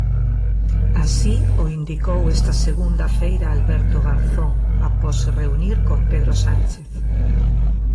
Así o indicou esta segunda feira Alberto Garzón após se reunir con Pedro Sánchez.